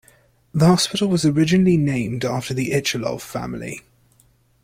The hospital was originally named after the Ichilov family.